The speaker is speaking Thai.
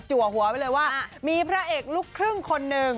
หัวไปเลยว่ามีพระเอกลูกครึ่งคนหนึ่ง